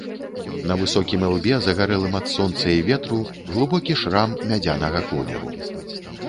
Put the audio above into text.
На высокім ілбе, загарэлым ад сонца і ветру, глыбокі шрам мядзянага колеру.